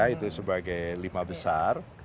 itu sebagai lima besar